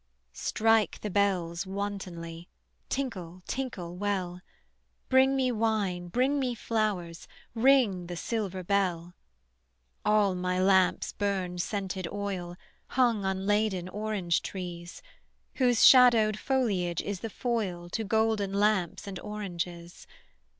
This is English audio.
Strike the bells wantonly, Tinkle tinkle well; Bring me wine, bring me flowers, Ring the silver bell. All my lamps burn scented oil, Hung on laden orange trees, Whose shadowed foliage is the foil To golden lamps and oranges.